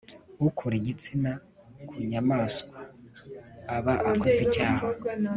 ukura igitsina ku nyamaswa aba akoze icyaha